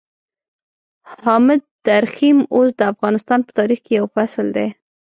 حامد درخيم اوس د افغانستان په تاريخ کې يو فصل دی.